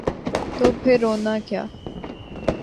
تو پھر رونا کیا؟